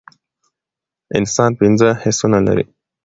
انسان پنځه حسونه لری